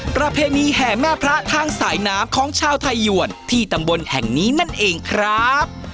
ประเพณีแห่แม่พระทางสายน้ำของชาวไทยยวนที่ตำบลแห่งนี้นั่นเองครับ